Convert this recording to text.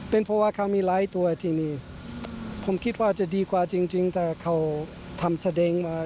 รักษามันมีหลายตัวที่นี่ผมคิดว่าจะดีกว่าแต่เขาทำเสดงก่อน